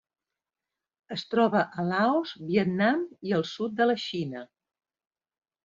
Es troba a Laos, Vietnam i el sud de la Xina.